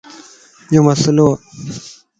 يو مسئلو ا